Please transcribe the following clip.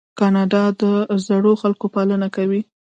کاناډا د زړو خلکو پالنه کوي.